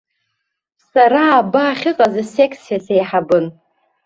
Сара аба ахьыҟаз асекциа сеиҳабын.